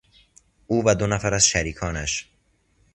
او و دو نفر از شریکانش